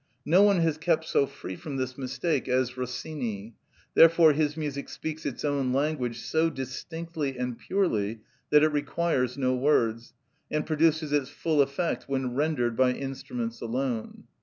No one has kept so free from this mistake as Rossini; therefore his music speaks its own language so distinctly and purely that it requires no words, and produces its full effect when rendered by instruments alone.